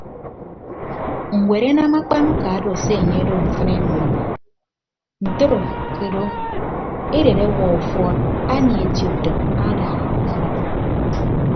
Ñwed anam akpan uka odo se anye odo mfịn ami o ntodo ke odo edet ọwuọ ufuọd anie eti utom ada nọ ọfọn.